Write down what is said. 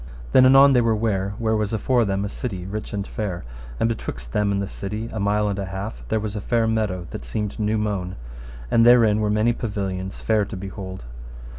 Then anon they were ware where was afore them a city rich and fair. And betwixt them and the city a mile and an half there was a fair meadow that seemed new mown, and therein were many pavilions fair to behold.